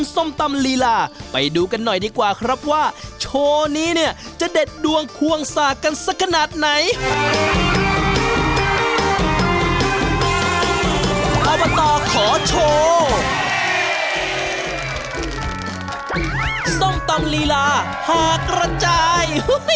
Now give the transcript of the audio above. ส้มตำลีลาหากระจาย